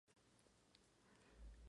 La economía era de pura subsistencia.